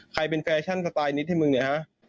ใครเป็นแฟชั่นสไตล์นิดให้มึงเนี่ยฮะ